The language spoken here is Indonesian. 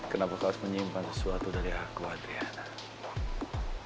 kenapa kau harus menyimpan sesuatu dari aku adriana